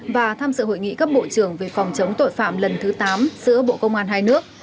và tham dự hội nghị các bộ trưởng về phòng chống tội phạm lần thứ tám giữa bộ công an hai nước